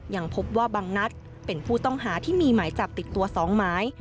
ยังพบว่าบางนัดเป็นผู้ต้องหาที่มีหมายจับติดตัว๒หมาย